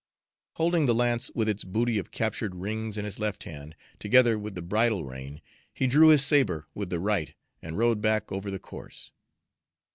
Holding the lance with its booty of captured rings in his left hand, together with the bridle rein, he drew his sabre with the right and rode back over the course.